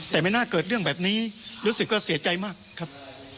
แต่ไม่น่าเกิดเรื่องแบบนี้รู้สึกก็เสียใจมากครับ